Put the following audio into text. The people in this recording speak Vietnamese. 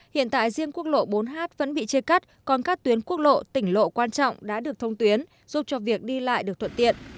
hiện tại riêng quốc lộ bốn h vẫn bị chia cắt còn các tuyến quốc lộ tỉnh lộ quan trọng đã được thông tuyến giúp cho việc đi lại được thuận tiện